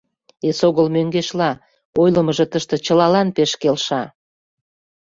Эсогыл мӧҥгешла: ойлымыжо тыште чылалан пеш келша!